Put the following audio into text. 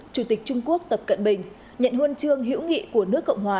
chủ tịch trung quốc tập cận bình nhận huân chương hữu nghị của nước cộng hòa